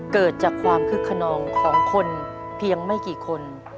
เกิดจากความคึกขนองของคนเพียงไม่กี่คน